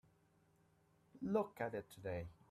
Look at it today.